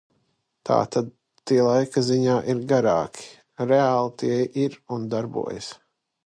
Tātad tie laika ziņā ir garāki, reāli tie ir un darbojas.